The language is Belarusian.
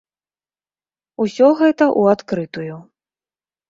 Усё гэта ў адкрытую.